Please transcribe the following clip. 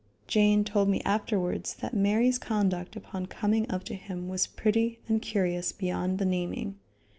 Jane told me afterwards that Mary's conduct upon coming up to him was pretty and curious beyond the naming.